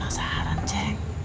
saya jadi penasaran ceng